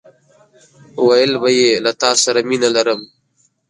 ويل به يې له تاسره مينه لرم!